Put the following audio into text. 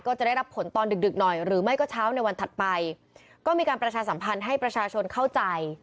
จะได้รับผลตอนดึกดึกหน่อยหรือไม่ก็เช้าในวันถัดไปก็มีการประชาสัมพันธ์ให้ประชาชนเข้าใจ